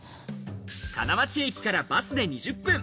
金町駅からバスで２０分。